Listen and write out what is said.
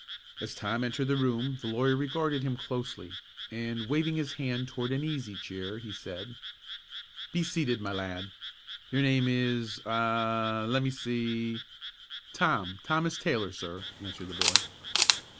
As Tom entered the room, the lawyer regarded him closely, and waving his hand towards an easy chair, he said, "Be seated, my lad. Your name is a' let me see" "Tom Thomas Taylor, sir," answered the boy.